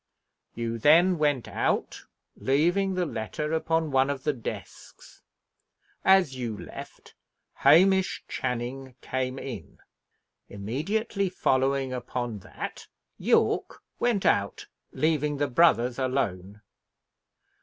You then went out, leaving the letter upon one of the desks. As you left, Hamish Channing came in. Immediately following upon that, Yorke went out, leaving the brothers alone.